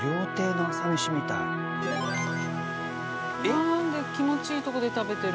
なんて気持ちいいとこで食べてる。